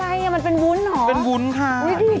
คืออะไรนี่มันเป็นบุญเหรออุ๊ยดีจริงมั้ย